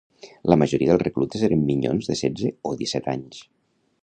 La majoria dels reclutes eren minyons de setze o disset anys